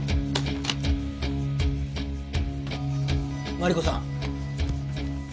マリコさん！